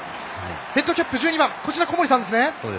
ヘッドキャップ１２番小森さんですね。